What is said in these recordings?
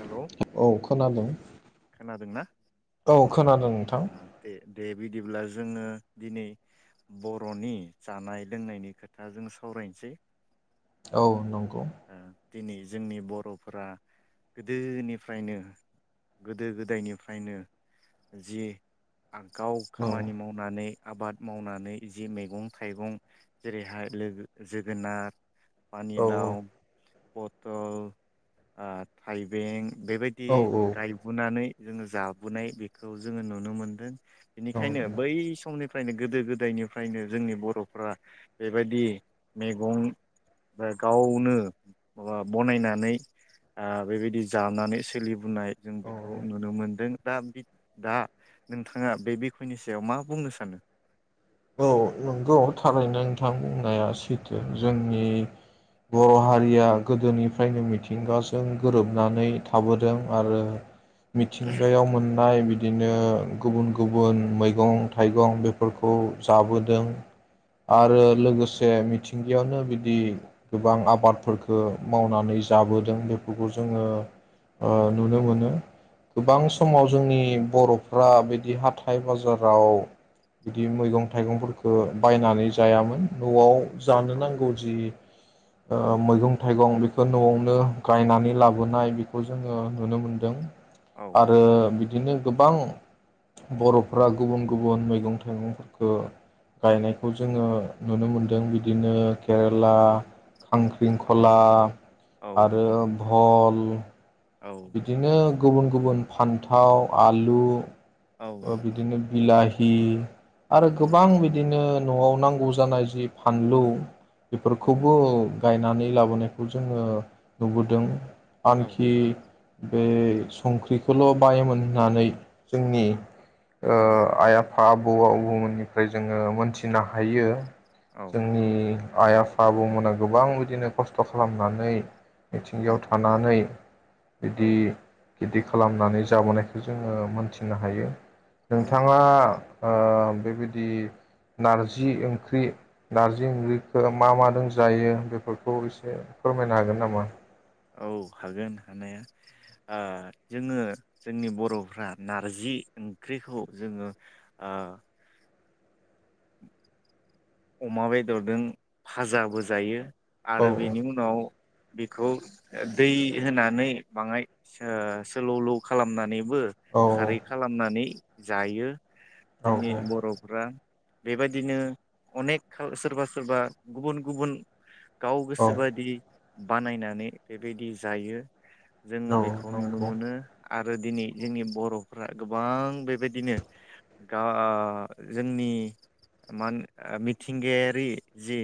Hello औ खोनादों ना? औ खोनादों नोंथां। दे बिदिब्ला जोङो दिनै बरनि जानाय लोंनायनि खोथा जों सावरायनिसै। औ नंगौ। दिनै जोंनि बर'फोरा गोदोनिफ्रायनो गोदो गोदायनिफ्रायनो जि [unintelligible] गाव औ खामानि मावनानै। आबाद मावनानै जि मैगं थाइगं जेरैहाय लो जोगोनार। पानि लाव। औ पथल आ। थाइबें। बेबायदि औ गायबोनानै। जोङो जाबोनाय बेखौ जोङो नुनो मोनदों। औ बेनिखायनो बै समनि। फ्रायनो गोदो गोदायनिफ्रायनो जोंनि बर'फ्रा बेबायदि मैगं गावनो बनायनानै। ओ बेबायदि जानानै सोलिबोनाय। जों औ बेखौ नुनो मोनदों। दा दा नोंथाङा बे बिखयनि सायाव मा बुंनो सानो। औ नंगौ थारैनो नोंथां बुंनाया सैथो जोंनि बर' हारिया गोदोनिफ्रायनो मिथिंगाजों गोरोबनानै थाबोदों आरो मिथिंगायाव मोननाय बिदिनो गुबुन गुबुन मैगं थाइगं बेफोरखौ। जाबोदों आरो लोगोसे मिथिंगायावनो बिदि गोबां आबादफोरखौ मावनानै जाबोदों बेफोरखौ जोङो ओ नुनो मोनो गोबां समाव जोंनि बर'फ्रा बिदि हाथाइ बाजाराव बिदि मैगं। थाइगंफोरखौ बायनानै जायामोन न'आव। जानो औ नांगौ जि। ओ औ मैगं थाइगं बे। बे न'आवनो गायनानै लाबोनाय बेखौ जोङो नुनो मोनदों। औ आरो। दिनो गोबां बर'फ्रा गुबुन गुबुन मैगं थाइगं। ओ गायनायखौ जोङो नुनो मोनदों बिदिनो। केरेला उम औ खांख्रिंखला औ आरो। बहल। औ बिदिनो गुबुन। गुबुन फान्थाव आलु। ओ बिदिनो बिलाइ। हि आरो औ गोबां बिदिनो। न'आव नांगौ जानाय जि फानलु। बेफोरखौबो गायनानै लाबोनायखौ जोङो नुबोदों। आंखि। बे संख्रिखौल' बायोमोन होननानै जोंनि। ओ औ आइ आफा बौ [unintelligible] जोङो मोनथिनो हायो। जोंनि आइ आफा आबौमोना गोबां बिदिनो खस्थ' खालामनानै औ मिथिंगायाव औ थानानै औ दि बिदि खालामनानै जाबोनायखौ जोङो मोनथिनो हायो। औ नोंथाङा ओ बेबायदि नारजि ओंख्रि नारजि ओंख्रिखौ मा माजों जायो बेफोरखौ एसे फोरमायनो हागोन नामा? औ हागोन हानाया ओ जोङो जोंनि बर'फ्रा नारजि ओंख्रिखौ जोङो ओ अमा बेदरजों फाजाबो जायो औ आरो बेनि उनाव बेखौ दै होनानै बाङाय सोलौलौ खालामनानै बो औ खारै खालामनानै जायो औ जोंनि बर'फ्रा बेबायदिनो अनेख सोरबा सोरबा गुबुन गुबुन गाव औ गोसोबादि बानायनानै बेबायदि जायो। जों औ बेखौ नुनो नंगौ मोनो आरो दिनै जोंनि बर'फ्रा गोबां बेबायदिनो गा ओ जोंनि मा मिथिंगायारि जि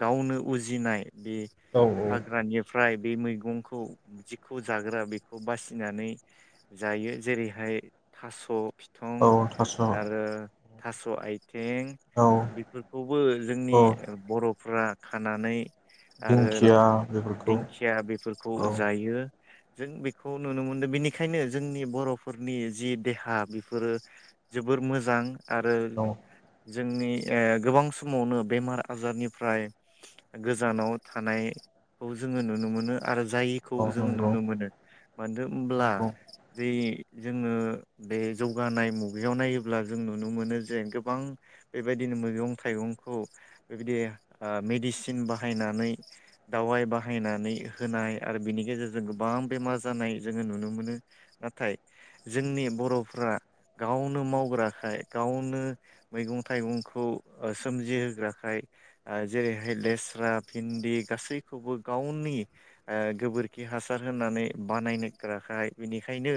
गावनो उजिनाय बे औ हाग्रानिफ्राय बे मैगंखौ जिखौ जाग्रा बेखौ बासिनानै जायो जेरैहाय थास' बिथं औ थास' आरो थास' आइथिं औ बेफोरखौबो औ जोंनि बर' फ्रा खानानै आरो दिंखिया बेफोरखौ दिंखिया बेफोरखौ औ जायो जों बेखौ नुनो मोनदों बेनिखायनो जोंनि बर'फोरनि जि देहा बेफोरो जोबोर मोजां आरो औ जोंनि ए गोबां समावनो बेमार आजारनिफ्राय गोजानाव थानायखौ जोङो नुनो मोनो आरो जायिखौ औ जोङो नंगौ नुनो मानो होनब्ला नंगौ बेै जोङो बे जौगानाय मुगायाव नायोब्ला जों नुनो मोनो जे गोबां बेबायदिनो मैगं थाइगंखौ बेबायदि ओ मेदिसिन बाहायनानै दावाय बाहायनानै होनाय आरो बिनि गेजेरजों गोबां बेमार जानाय जोङो नुनो मोनो नाथाय जोंनि बरफ्रा गावनो मावग्राखाय गावनो मैगं थाइगंखौ ओ सोमजिहोग्राखाय ओ जेरैहाय लेस्रा भिन्दि गासैखौबो गावनि ओ गोबोरखि हासार होनानै बानायनोग्राखाय बेनिखायनो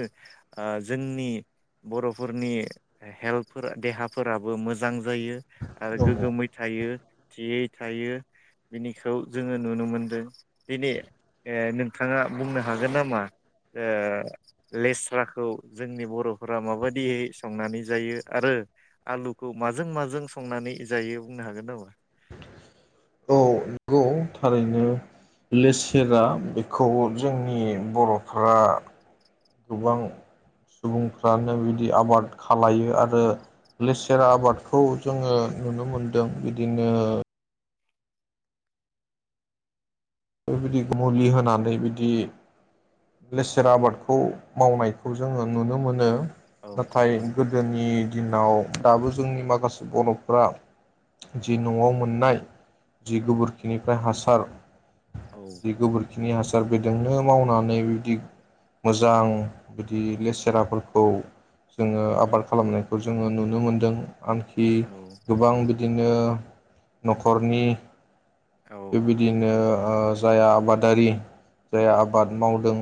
ओ जोंनि बर'फोरनि हेल्थफोरा देहाफोरा बो मोजां जायो आरो औ गोगोमै थायो। थियै थायो बिनिखौ जोङो नुनो मोनदों दिनै ओ नोंथाङा बुंनो हागोन नामा ओ लेस्राखौ जोंनि बर'फोरा माबायदियै संनानै जायो आरो आलुखौ माजों माजों संनानै जायो बुंनो हागोन नामा? औ नंगौ थारैनो लेसेरा बेखौ जोंनि बर'फ्रा गोबां सुबुंफ्रानो बिदि आबाद खालायो आरो लेसेरा आबादखौ जोङो नुनो मोनदों बिदिनो बेबायदि मुलि होनानै बिदि लेसेरा आबादखौ मावनायखौ जोङो नुनो मोनो। औ नाथाय गोदोनि दिनाव दाबो जोंनि माखासे बर'फोरा जि न'आव मोननाय जि गोबोरखिनिफ्राय हासा सार जि गोबोरखि नि हासार बेदोंनो मावनानै बिदि मोजां बिदि लेसेराफोरखौ जोङो आबाद खालामनायखौ जोङो नुनो मोनदों। आंखि गोबां बिदि नो न'खरनि बेबायदिनो ओ जाया आबादारि जाया आबाद मावदों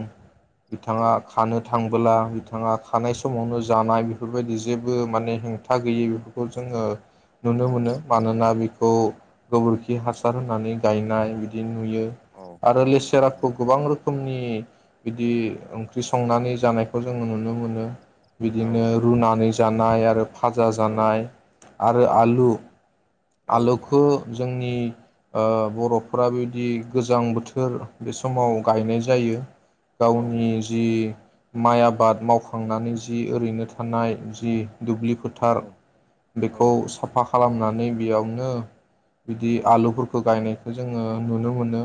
बिथाङा खानो था थांबोला बिथाङा खानाय समावनो जानाय बेफोरबायदि जेबो माने हेंथा गैयि बेफोरखौ जोङो नुनो मोनो मानोना बे खौ गोबोरखि हासार होनानै गायनाय बिदि नुयो आरो लेसेराखौ गोबां रो खोमनि बिदि ओंख्रि संनानै जानायखौ जोङो नुनो मोनो। बिदिनो रुनानै जानाय आरो भाजा जानाय आरो आलु आलुखौ जोंनि ओ बर'फोरा बि दि गोजां बोथोर बे समाव गायनाय जायो। गावनि जि माइ आबाद मावखांनानै जि ओरैनो थानाय जि दुब्लि फोथार बेखौ साफा खालामनानै बेयावनो बिदि आलुफोरखौ गायनाय जोङो नुनो मोनो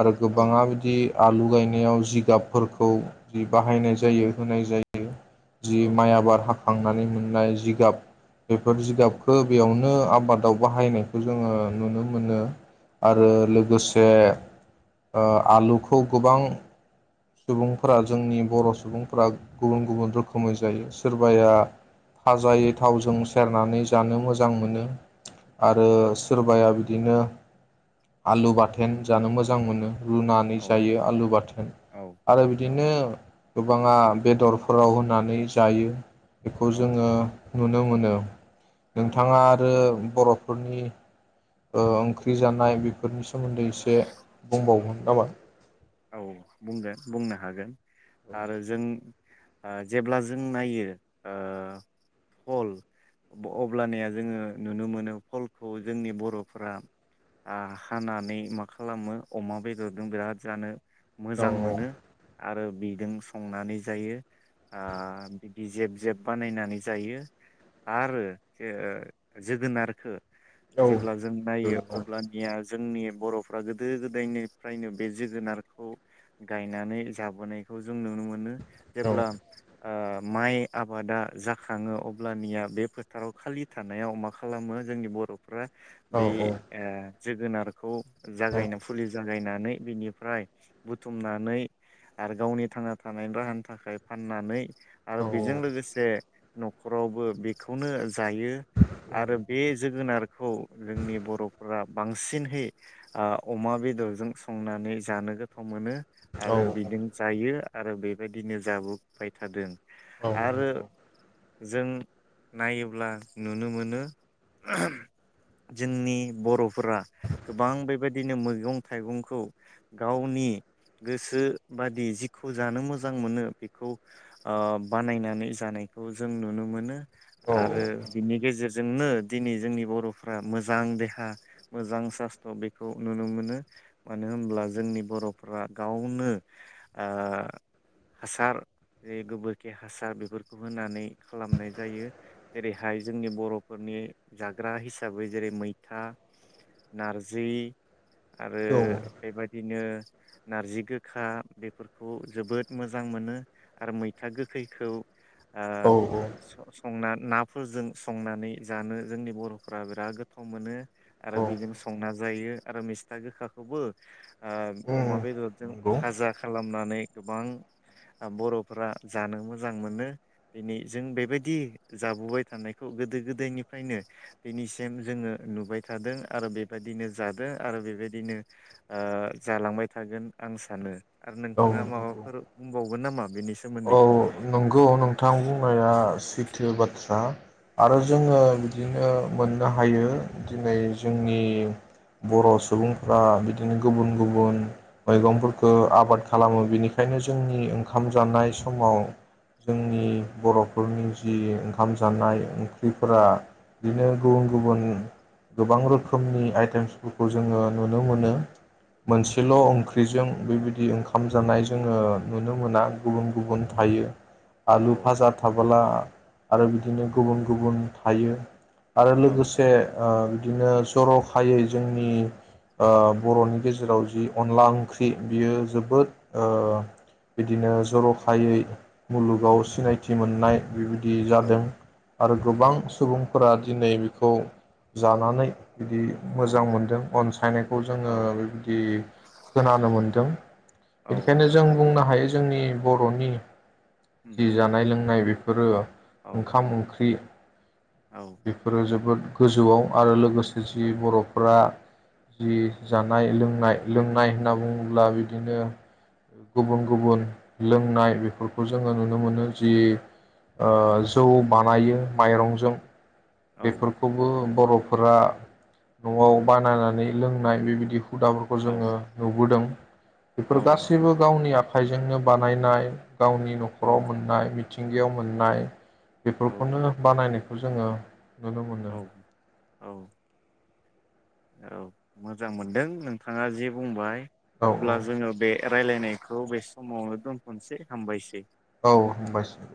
आरो गोबाङा बिदि आलु गायनायाव जिगाबफोरखौ जि बाहायनाय जायो होनाय जायो। जि औ माय आबाद हा खांनानै मोननाय जिगाब बेफोर औ जिगाबखो बेयावनो आबादाव बाहायनायखौ जोङो नुनो मोनो। औ आरो लोगो से ओ आलुखौ गोबां सुबुंफोरा जोंनि बर' सुबुंफोरा गुबुन गुबुन रोखोमै जायो। सोरबाया फाजायै थावजों सेरनानै जानो मोजां मोनो आरो सोरबाया नंगौ बिदिनो आलु बाथोन जानो मोजां मोनो। रुनानै औ जायो आलु बाथोन। औ आरो औ बिदिनो गोबाङा बेदरफोराव होनानै जायो। बेखौ औ जोङो नुनो मोनो। औ नोंथाङा आरो बर'फोरनि ओ ओंख्रि जानाय बेफोरनि सो सोमोन्दै एसे बुंबावगोन [unintelligible] औ बुंगोन बुंनो हागोन। आरो जों ओ जेब्ला जों नायो ओ भल अब्लानिया जोङो नुनो मोनो भलखौ जोंनि बर'फोरा आ हानानै माखालामो अमा बेदरजों बिराद जानो औ मोजां मोनो आरो बिदों संनानै जायो ओ बिदि जेब जेब बानायनानै जायो आरो जे जोगोनारखो औ जेब्ला जों नायो औ अब्लानिया जोंनि बर'फ्रा गोदो गोदायनिफ्रायनो बे जोगोनार खौ गायनानै जाबोनायखौ जों नुनो मोनो। औ जेब्ला ओ माइ आबादा जाखाङो अब्लानिया बे फोथाराव खालि थानायाव मा खालामो जोंनि बर' फ्रा औ बे ओ जोगोनारखौ जागायना फुलि ज गायनानै बिनिफ्राय बुथुमनानै आरो गावनि थांना थानायनि राहानि थाखाय फाननानै आरो औ बेजों लोगोसे न'खरावबो बेखौनो जायो आरो बे जोगोनारखौ जोंनि बर'फ्रा बांसिनहै ओ अमा बेदरजों संनानै जानो गो थाव मोनो। आरो बिदों जायो। आरो बेबायदिनो जाबोबाय थादों। औ आरो नंगौ। जों नायोब्ला नुनो मोनो जोंनि बर' फोरा गोबां बेबायदिनो मैगं थाइगंखौ गाव नि गोसो बादि जिखौ जानो मोजां मोनो बेखौ ओ बानायनानै जानायखौ जों नुनो मोनो। आरो बिनि गेजेरजो जोंनो दिनै जोंनि बर'फ्रा मोजां देहा मोजां सास्थ्र बेखौ नुनो मोनो मानो होनब्ला जोंनि बर'फ्रा गावनो ओ हासार जेरै गोबोरखि हासार बेफोरखौ होनानै खालामनाय जायो जेरैहाय जोंनि बर'फोरनि जाग्रा हिसाबै जेरै मैथा, नारजि। आरो बेबादिनो। नारजि गोखा बेफोरखौ जोबोद मोजां मोनो आरो मैथा गोखैखौ। औ औ। ओ संना नाफोरजों संनानै जानो जोंनि बर'फ्रा बिराद गोथाव मोनो आरो औ बेजों संना जायो आरो मिस्था गोखाखौबो ओ अमा औ बेदरजों नंगौ फाजा खालामनानै गोबां बर'फ्रा जानो मोजां मोनो दिनै जों बेबायदि जाबोबाय थानायखौ गोदो गोदायनिफ्रायनो दिनैसिम जोङो नुबाय थादों आरो बेबायदिनो जादो आरो बेबायदिनो ओ जालांबाय थागोन आं सानो। आरो औ नोंथाङा नंगौ माबाफोर बु बावगोन नामा बेनि सोमोन्दै? औ नंगौ नोंथां बुंनाया सैथो बाथ्रा आरो जोङो बिदिनो मोननो हायो दिनै जोंनि बर' सुबुंफ्रा बिदिनो गुबुन गुबुन मैगंफोरखो आबाद खालामो बिनिखायनो जोंनि ओंखाम जानाय समाव जोंनि बर'फोरनि जि ओंखाम जानाय ओंख्रिफोरा बिदिनो गुबुन गुबुन गोबां रोखोमनि आइटेमसफोरखौ जोङो नुनो मोनो। मोनसेल' औ ओंख्रिजों। बेबायदि ओंखाम जानाय जोङो नुनो मोना गुबुन गुबुन थायो। आलु औ फाजा थाबोला आरो बिदिनो गुबुन गुबुन थायो। आरो औ लोगोसे। ओ बिदिनो जर'खायै जोंनि ओ बर' नि गेजेराव जि अनला ओंख्रि बियो जोबोद ओ बिदिनो जर'खायै। मुलुगाव उम सिनायथि मोननाय बेबायदि जादों। औ आरो गोबां औ सुबुंफोरा दिनै बेखौ जानानै बिदि मोजां औ मोनदों अनसायनायखौ जोङो औ बेबायदि खोनानो मोनदों। औ बेनिखायनो जों बुंनो हायो जोंनि बर'नि उम जि जानाय लोंनाय बेफो फोरो औ ओंखाम ओंख्रि औ बेफोरो जोबोद गोजौआव आरो लोगोसे औ बर'फोरा जि जानाय लोंनाय-लोंनाय होनना बुङोब्ला बिदिनो गुबुन-गुबुन लोंनाय बेफोरखौ जोङो नुनो मोनो जि ओ औ जौ बानायो माइरंजों औ बेफोरखौबो बर'फोरा न'आव बानायनानै लोंनाय बेबायदि हुदाफोरखौ औ जोङो नुबोदों। बेफोर गासैबो गावनि आ खाइजोंनो बानायनाय। गावनि न'खराव मोननाय। मिथिंगायाव मोननाय औ बेफोरखौनो बानायनो जोङो नुनो मोनो औ औ मोजां मोनदों नोंथाङा जे बुंबाय औ अब्ला औ जोङो बे रायलायनायखौ बे समाव नोदोनथनोसेै हामबायसै। औ हामबायसै।